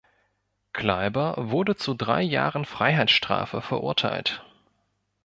Kleiber wurde zu drei Jahren Freiheitsstrafe verurteilt.